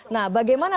nah bagaimana pandangan